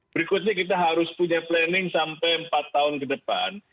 berikutnya kita harus punya planning sampai empat tahun ke depan